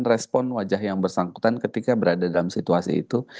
respon wajah yang bersangkutan ketika berada dalam situasi itu